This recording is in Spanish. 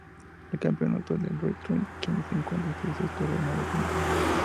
El campeón actual es R-Truth, quien se encuentra en su sexto reinado como campeón.